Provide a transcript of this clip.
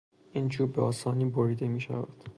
این چوب به آسانی بریده میشود.